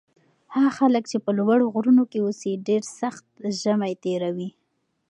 هغه خلک چې په لوړو غرونو کې اوسي ډېر سخت ژمی تېروي.